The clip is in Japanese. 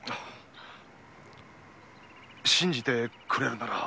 信じてくれるなら。